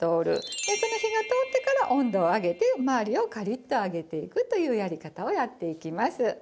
でその火が通ってから温度を上げて周りをカリッと揚げていくというやり方をやっていきます。